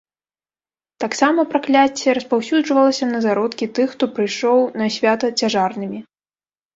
Таксама пракляцце распаўсюджвалася на зародкі тых, хто прыйшоў на свята цяжарнымі.